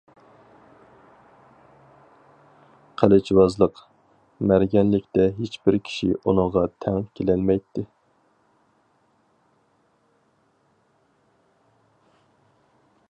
قىلىچۋازلىق، مەرگەنلىكتە ھېچبىر كىشى ئۇنىڭغا تەڭ كېلەلمەيتتى.